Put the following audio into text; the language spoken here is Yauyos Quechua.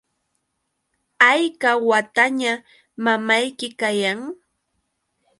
¿hayka wataña mamayki kayan?